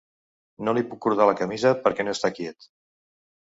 No li puc cordar la camisa perquè no està quiet.